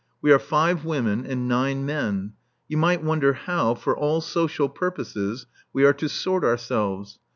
We are five women and nine men. You might wonder how, for all social purposes, we are to sort ourselves?